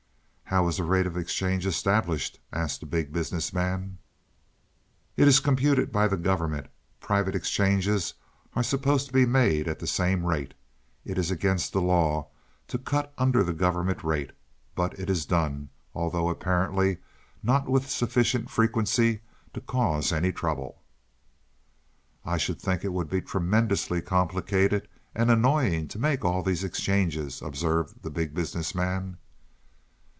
"How is the rate of exchange established?" asked the Big Business Man. "It is computed by the government. Private exchanges are supposed to be made at the same rate. It is against the law to cut under the government rate. But it is done, although apparently not with sufficient frequency to cause any trouble." "I should think it would be tremendously complicated and annoying to make all these exchanges," observed the Big Business Man.